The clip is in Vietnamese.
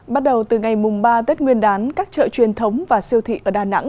bắt đầu từ ngày mùng ba tết nguyên đán các chợ truyền thống và siêu thị ở đà nẵng